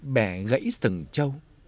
bè gãy sừng châu